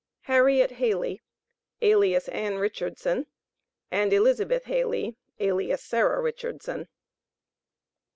HARRIET HALEY, alias ANN RICHARDSON, AND ELIZABETH HALEY, alias SARAH RICHARDSON.